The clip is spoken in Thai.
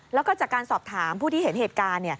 แล้วก็จากการสอบถามผู้ที่เห็นเหตุการณ์